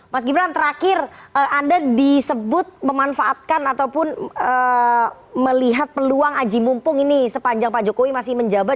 mas gibran terakhir anda disebut memanfaatkan ataupun melihat peluang aji mumpung ini sepanjang pak jokowi masih menjabat